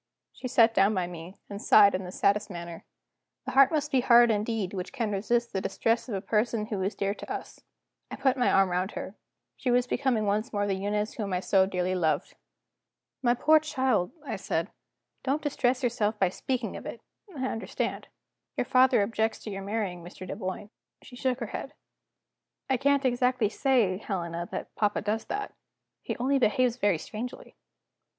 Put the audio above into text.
She sat down by me, and sighed in the saddest manner. The heart must be hard indeed which can resist the distress of a person who is dear to us. I put my arm round her; she was becoming once more the Eunice whom I so dearly loved. "My poor child," I said, "don't distress yourself by speaking of it; I understand. Your father objects to your marrying Mr. Dunboyne." She shook her head. "I can't exactly say, Helena, that papa does that. He only behaves very strangely."